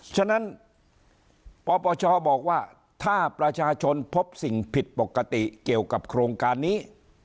ฉะนั้นปปชบอกว่าถ้าประชาชนพบสิ่งผิดปกติเกี่ยวกับโครงการนี้